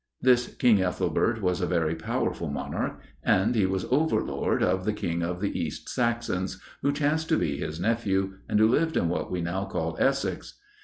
This King Ethelbert was a very powerful monarch, and he was Overlord of the King of the East Saxons, who chanced to be his nephew, and who lived in what we now call Essex.